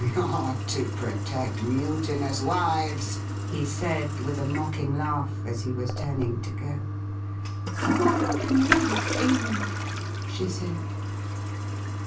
' Not to protect mutinous wives,' he said, with a mocking laugh, as he was tiu^ning to go. ' One can leave England,' she said.